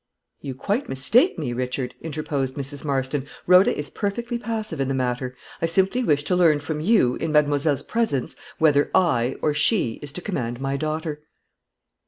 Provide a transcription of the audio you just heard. "You quite mistake me, Richard," interposed Mrs. Marston; "Rhoda is perfectly passive in the matter. I simply wish to learn from you, in mademoiselle's presence, whether I or she is to command my daughter?"